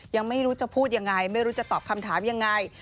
ยังไม่รู้จะพูดยังไงไม่รู้จะตอบคำถามยังไง